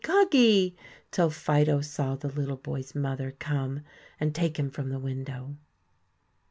goggie!" till Fido saw the little boy's mother come and take him from the window.